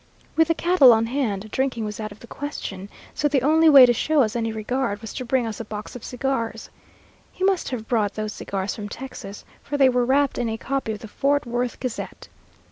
With the cattle on hand, drinking was out of the question, so the only way to show us any regard was to bring us a box of cigars. He must have brought those cigars from Texas, for they were wrapped in a copy of the Fort Worth "Gazette."